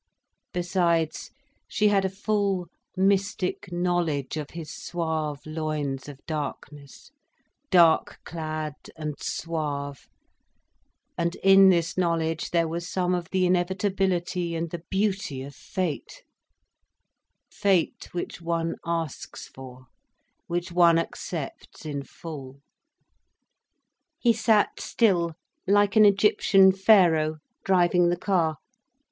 Besides she had a full mystic knowledge of his suave loins of darkness, dark clad and suave, and in this knowledge there was some of the inevitability and the beauty of fate, fate which one asks for, which one accepts in full. He sat still like an Egyptian Pharoah, driving the car.